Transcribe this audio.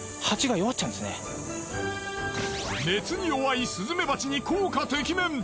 熱に弱いスズメバチに効果てきめん！